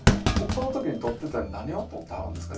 その時に採っててん「何を採ってはるんですか？」